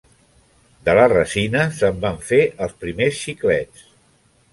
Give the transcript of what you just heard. De la resina se'n van fer els primers xiclets.